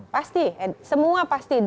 pasti semua pasti